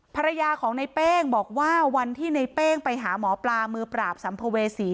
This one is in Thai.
ภรรยาของในเป้งบอกว่าวันที่ในเป้งไปหาหมอปลามือปราบสัมภเวษี